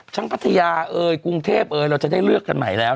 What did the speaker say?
พัทยาเอ่ยกรุงเทพเอ่ยเราจะได้เลือกกันใหม่แล้ว